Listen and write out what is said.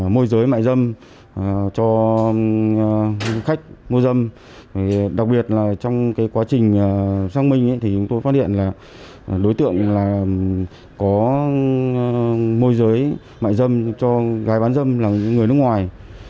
môi giới mại dâm cho khách mua dâm đặc biệt là trong quá trình xác minh thì chúng tôi phát hiện là đối tượng là có môi giới mại dâm cho gái bán dâm là người nước ngoài